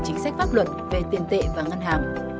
chính sách pháp luật về tiền tệ và ngân hàng